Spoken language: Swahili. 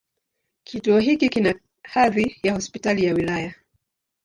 Kituo hiki kina hadhi ya Hospitali ya wilaya.